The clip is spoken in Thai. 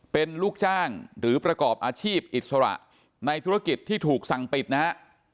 เป็นลูกจ้างหรือประกอบอาชีพอิสระในธุรกิจที่ถูกสั่งปิดนะฮะ